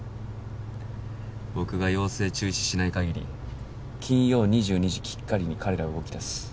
僕が要請中止しない限り金曜２２時きっかりに彼らは動きだす